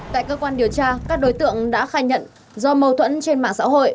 tại cơ quan điều tra các đối tượng đã khai nhận do mâu thuẫn trên mạng xã hội